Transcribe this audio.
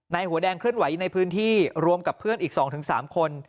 หัวแดงเคลื่อนไหวในพื้นที่รวมกับเพื่อนอีก๒๓คน